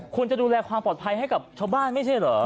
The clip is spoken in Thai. คุณจะดูแลความปลอดภัยให้กับชาวบ้านไม่ใช่เหรอ